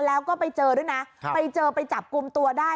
แล้วก็ไปเจอด้วยนะไปเจอไปจับกลุ่มตัวได้